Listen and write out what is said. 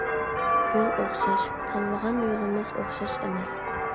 يول ئوخشاش، تاللىغان يولىمىز ئوخشاش ئەمەس.